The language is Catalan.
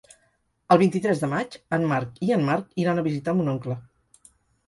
El vint-i-tres de maig en Marc i en Marc iran a visitar mon oncle.